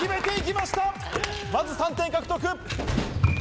まず３点獲得。